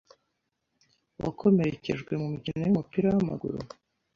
Wakomerekejwe mumikino yumupira wamaguru?